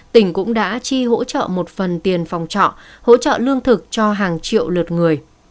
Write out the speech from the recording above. tỉnh cũng đã chi hỗ trợ một phần tiền phòng trọ hỗ trợ lương thực cho hàng triệu lượt người